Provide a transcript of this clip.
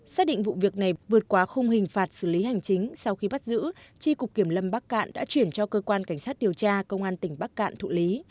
sau khi bắt giữ tri cục kiểm lâm bắc cạn đã chuyển cho cơ quan cảnh sát điều tra công an tỉnh bắc cạn thụ lý